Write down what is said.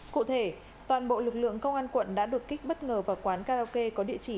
cụ thể toàn bộ lực lượng công an quận đã đột kích bất ngờ vào quán karaoke có địa chỉ